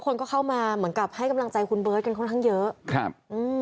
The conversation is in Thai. คนก็เข้ามาเหมือนกับให้กำลังใจคุณเบิร์ตกันค่อนข้างเยอะครับอืม